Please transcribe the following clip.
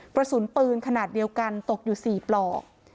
กระสุนปืนขนาดเดียวกันตกอยู่๔ปลอก